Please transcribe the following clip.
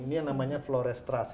ini yang namanya flores trust